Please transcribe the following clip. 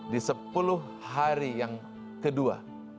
di sepuluh hari yang kedua